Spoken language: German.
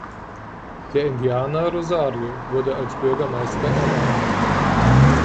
Der Indianer Rosario wurde als Bürgermeister ernannt.